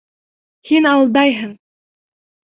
Һин алдайһың!